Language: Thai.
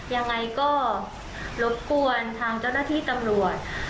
ยังไงก็รบกวนทางเจ้าหน้าที่ตำรวจ